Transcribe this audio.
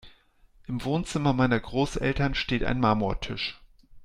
Im Wohnzimmer meiner Großeltern steht ein Marmortisch.